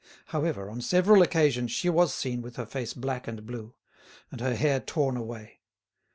However, on several occasions she was seen with her face black and blue, and her hair torn away.